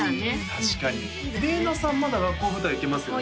確かにれいなさんまだ学校舞台いけますよね？